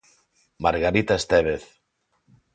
Margarita Estévez.